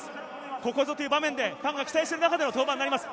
ここぞという場面でファンが期待している中での登板になります。